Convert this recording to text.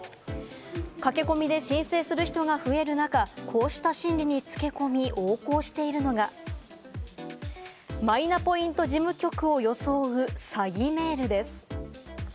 駆け込みで申請する人が増える中、こうした心理につけ込み、横行しているのが、マイナポイント事務局を装う詐欺メールです。